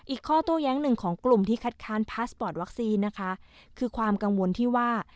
ข้อโต้แย้งหนึ่งของกลุ่มที่คัดค้านพาสปอร์ตวัคซีนนะคะคือความกังวลที่ว่า